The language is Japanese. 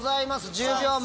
１０秒前。